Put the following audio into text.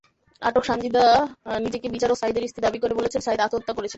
আটক সানজিদা নিজেকে বিচারক সাঈদের স্ত্রী দাবি করে বলেছেন, সাঈদ আত্মহত্যা করেছেন।